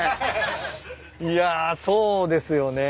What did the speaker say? いやそうですよね。